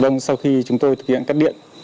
vâng sau khi chúng tôi thực hiện cắt điện